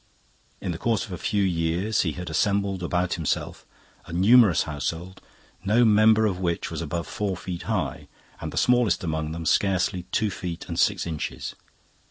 In the course of a few years he had assembled about himself a numerous household, no member of which was above four feet high and the smallest among them scarcely two feet and six inches.